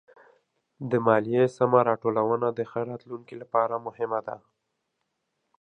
د ماليې سمه راټولونه د ښه راتلونکي لپاره مهمه ده.